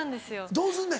どうすんねん？